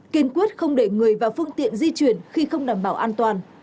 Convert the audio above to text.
kiên quyết không để người và phương tiện di chuyển khi không đảm bảo an toàn